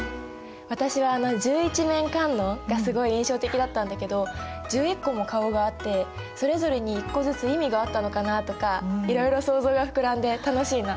私はあの十一面観音がすごい印象的だったんだけど１１個も顔があってそれぞれに１個ずつ意味があったのかなとかいろいろ想像が膨らんで楽しいな。